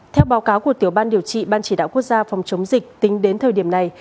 theo báo cáo của tiểu ban điều trị ban chỉ đạo quốc gia phòng chống dịch tính đến thời điểm này